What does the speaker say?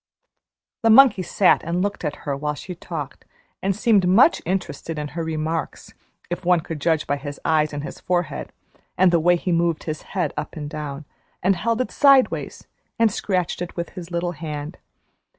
The monkey sat and looked at her while she talked, and seemed much interested in her remarks, if one could judge by his eyes and his forehead, and the way he moved his head up and down, and held it sideways and scratched it with his little hand.